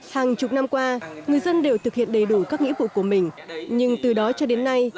hàng chục năm qua người dân đều thực hiện đầy đủ các nghĩa vụ của mình nhưng từ đó cho đến nay